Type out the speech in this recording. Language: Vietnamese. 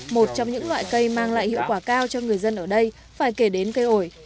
một trong những loại cây mang lại hiệu quả cao cho người dân ở đây phải kể đến cây ồi